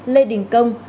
lê đình công